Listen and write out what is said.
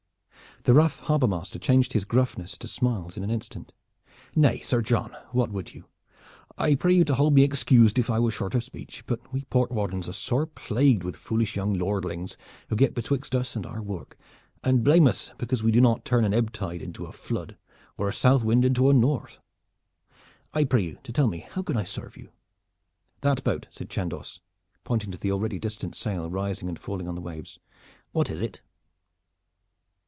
The rough harbor master changed his gruffness to smiles in an instant. "Nay, Sir John, what would you? I pray you to hold me excused if I was short of speech, but we port wardens are sore plagued with foolish young lordlings, who get betwixt us and our work and blame us because we do not turn an ebb tide into a flood, or a south wind into a north. I pray you to tell me how I can serve you." "That boat!" said Chandos, pointing to the already distant sail rising and falling on the waves. "What is it?"